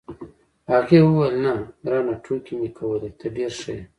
هغې وویل: نه، ګرانه، ټوکې مې کولې، ته ډېر ښه یې.